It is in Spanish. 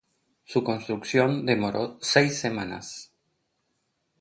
Su construcción demoró seis semanas.